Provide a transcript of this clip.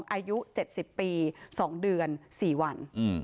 อายุ๗๐ปี๒เดือน๔วัน